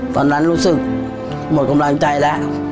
ตอนนั้นรู้สึกหมดกำลังใจแล้ว